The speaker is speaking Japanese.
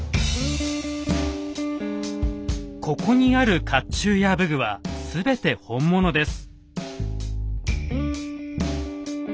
ここにある甲冑や武具は全て本物です。